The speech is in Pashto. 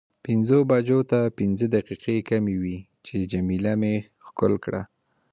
پنځو بجو ته پنځه دقیقې کمې وې چې جميله مې ښکل کړه.